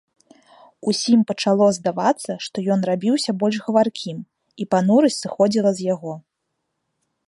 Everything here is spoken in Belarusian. Усім пачало здавацца, што ён рабіўся больш гаваркім, і панурасць сыходзіла з яго.